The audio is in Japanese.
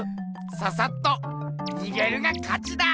ささっとにげるがかちだ！